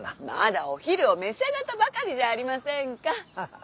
まだお昼を召し上がったばかりじゃありませんか。